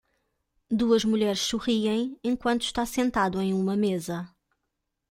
Duas mulheres sorriem enquanto está sentado em uma mesa